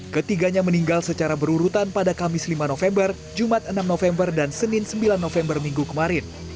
ketiganya meninggal secara berurutan pada kamis lima november jumat enam november dan senin sembilan november minggu kemarin